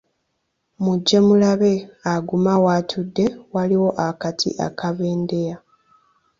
Mujje mulabe Aguma w'atudde, waliwo akati akabendeya,